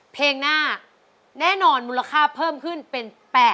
เพลงหน้าแน่นอนมูลค่าเพิ่มขึ้นเป็น๘๐๐